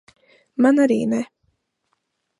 Man arī ne.